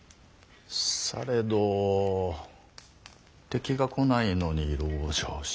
されど敵が来ないのに籠城しても。